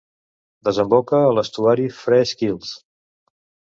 Desemboca a l'estuari Fresh Kills.